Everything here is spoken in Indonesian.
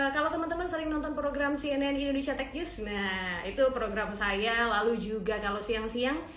kalau teman teman sering nonton program cnn indonesia tech news nah itu program saya lalu juga kalau siang siang